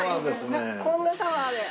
こんなタワーで。